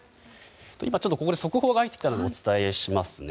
ここで速報が入ってきたのでお伝えします。